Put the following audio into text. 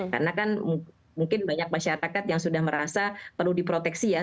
karena kan mungkin banyak masyarakat yang sudah merasa perlu diproteksi ya